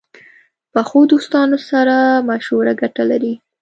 پخو دوستانو سره مشوره ګټه لري